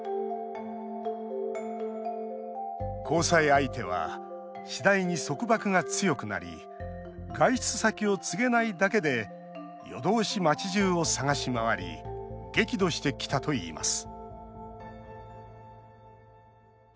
交際相手は次第に束縛が強くなり外出先を告げないだけで夜通し町じゅうを探し回り激怒してきたといいます